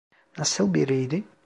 Nasıl biriydi?